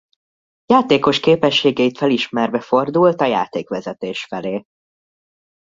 Játékos képességeit felismerve fordult a játékvezetés felé.